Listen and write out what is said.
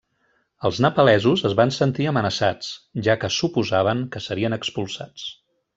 Els nepalesos es van sentir amenaçats, ja que suposaven que serien expulsats.